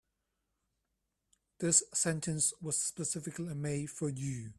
This sentence was specifically made for you.